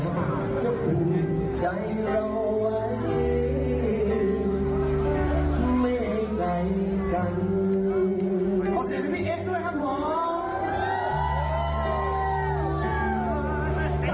เขาจะมาเลื่อนโกงหรอ